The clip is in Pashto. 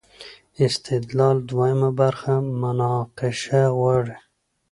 استدلال دویمه برخه مناقشه غواړي.